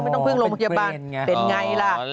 เป็นยังไงล่ะ